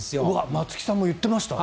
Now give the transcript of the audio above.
松木さんも言ってました。